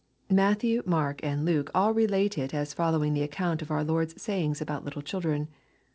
Matthew, Mark, and Luke all relate it as following the account of our Lord's sayings about little children.